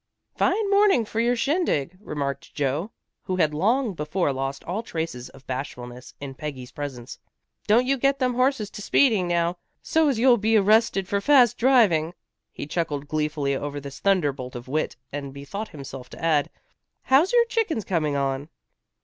"Fine morning for your shindig," remarked Joe, who had long before lost all traces of bashfulness in Peggy's presence. "Don't you get them horses to speeding, now, so's you'll be arrested for fast driving." He chuckled gleefully over this thunder bolt of wit, and bethought himself to add, "How's your chickens coming on?"